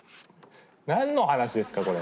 何の話ですかこれ。